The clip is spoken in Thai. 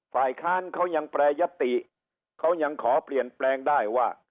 ฝ่ายค้านเขายังแปรยติเขายังขอเปลี่ยนแปลงได้ว่า